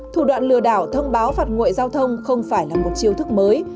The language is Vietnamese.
thủ đoạn lừa đảo thông báo phạt nguội giao thông không phải là một chiêu thức mới